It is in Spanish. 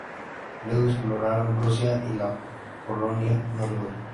Luego exploraron Rusia y la Laponia noruega